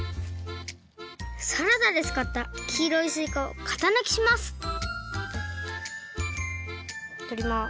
サラダでつかったきいろいすいかをかたぬきしますとります。